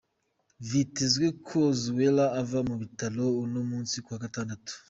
Vyitezwe ko Souare ava mu bitaro uno munsi kuwa gatandatu.